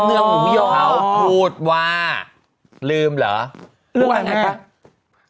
อ๋อเขาพูดว่าลืมเหรอว่าอย่างไงล่ะ